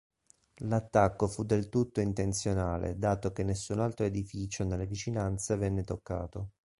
L'attacco fu del tutto intenzionale dato che nessun altro edificio nelle vicinanze venne toccato.